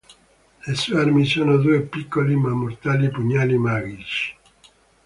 Le sue armi sono due piccoli ma mortali pugnali magici.